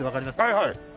はいはい！